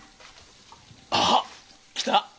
あっ来た！